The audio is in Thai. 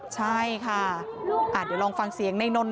ใช่ค่ะเดี๋ยวลองฟังเสียงในนนท